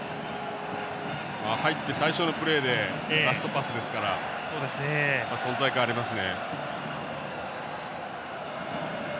入って最初のプレーでラストパスですから存在感ありますね。